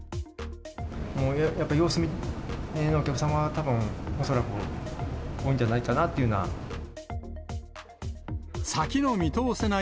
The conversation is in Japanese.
もうやっぱり様子見のお客様がたぶん、恐らく多いんじゃないかなっていうような。